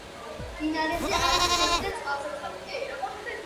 მდინარეზე არის ჰესი და წყალსაცავი.